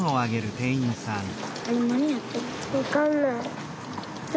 あれなにやってんの？